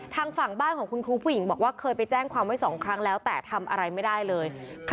ทางฝั่งบ้านของคุณครูผู้หญิงบอกว่าเคยไปแจ้งความไว้๒ครั้งแล้วแต่ทำอะไรไม่ได้เลย